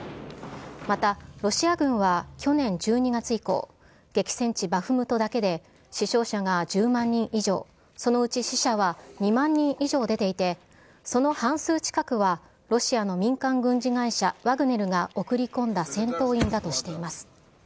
またロシア軍は去年１２月以降、激戦地バフムトだけで死傷者が１０万人以上、そのうち死者は２万人以上出ていて、その半数近くはロシアの民間軍事会社、ワグネルが送り込んだ戦闘員だとしています。